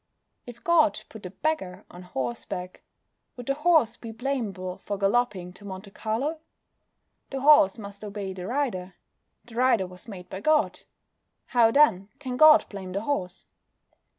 If God put a beggar on horseback, would the horse be blamable for galloping to Monte Carlo? The horse must obey the rider. The rider was made by God. How, then, can God blame the horse?